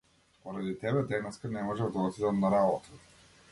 Поради тебе денеска не можев да отидам на работа.